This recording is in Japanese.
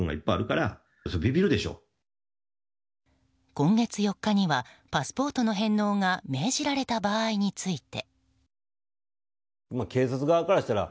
今月４日にはパスポートの返納が命じられた場合について。